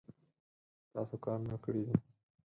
تاسو کارونه کړي دي